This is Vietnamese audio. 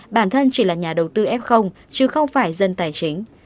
bản thân chỉ là nhà đầu tư f chứ không phải dân tài chính